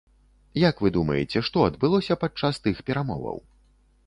Як вы думаеце, што адбылося падчас тых перамоваў?